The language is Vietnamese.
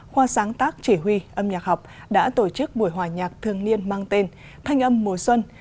khoa sáng tác chỉ huy âm nhạc học đã tổ chức buổi hòa nhạc thương niên mang tên thanh âm mùa xuân